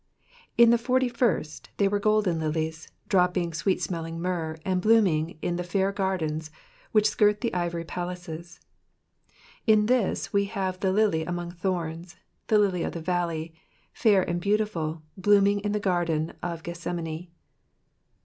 '" Jn the forty first they toere golden lilies, dropping svoeei' smelling myrrh, arid blooming in (he fair garaens which skirt the ixyory palaces : in this we have the lily among thorns, the lily qf the valley, fair and heaviifxd. blooming in the garden of Geihsemane.